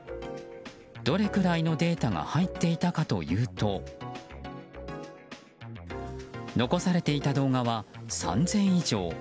どれくらいのデータが入っていたかというと残されていた動画は３０００以上。